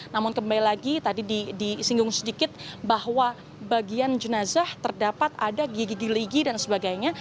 namun kembali lagi tadi disinggung sedikit bahwa bagian jenazah terdapat ada gigi giligi dan sebagainya